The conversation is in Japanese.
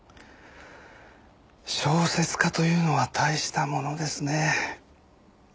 小説家というのは大したものですね。